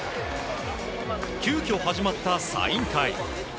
急きょ始まったサイン会。